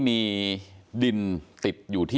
แม่น้องชมพู่